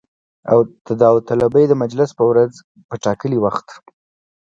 او د داوطلبۍ د مجلس په ورځ په ټاکلي وخت